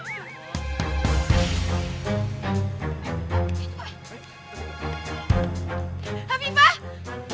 oh ya hal diaohdss